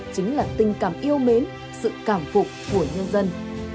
chính là tình cảm yêu mến sự cảm phục của nhân dân